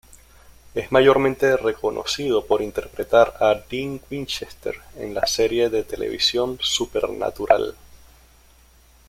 Es mayormente reconocido por interpretar a Dean Winchester en la serie de televisión "Supernatural".